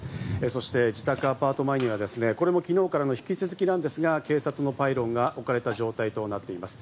そして自宅アパート前にはですね、これも昨日からの引き続きなんですが、警察のパイロンが置かれた状態となっています。